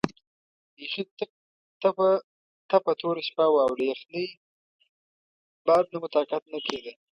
بیخي تپه توره شپه وه او له یخنۍ باد نه مو طاقت نه کېده.